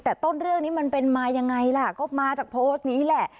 แต่ต้นเรื่องนี้มันเป็นมายังไงล่ะก็มาจากโพสต์นี้แหละ